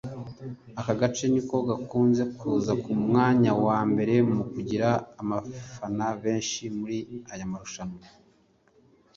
Aka gace niko gakunze kuza ku mwanya wa mbere mu kugira abafana benshi muri aya marushanwa